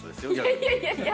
いやいやいやいや！